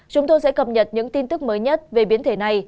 chúng tôi sẽ cập nhật những tin tức mới nhất về biến thể này